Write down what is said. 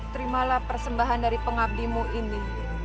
terimalah persembahan dari pengabdimu ini